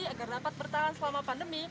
agar dapat bertahan selama pandemi